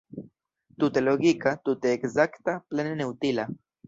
Tute logika, tute ekzakta, plene neutila.